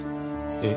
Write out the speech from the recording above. えっ？